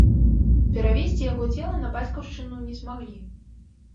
Перавезці яго цела на бацькаўшчыну не змаглі.